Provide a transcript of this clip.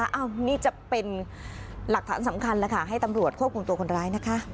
อันนี้จะเป็นหลักฐานสำคัญแล้วค่ะให้ตำรวจควบคุมตัวคนร้ายนะคะ